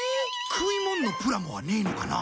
食いもんのプラモはねえのかな？